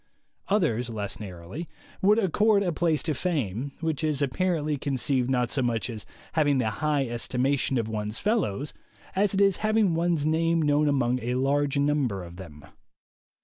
Others, less narrow, would accord a place to fame, which is apparently conceived not so much as having the high estimation of one's fellows, as it is having one's name known among a large number of them.